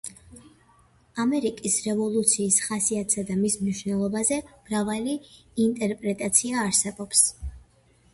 ამერიკის რევოლუციის ხასიათსა და მის მნიშვნელობაზე მრავალი ინტერპრეტაცია არსებობს.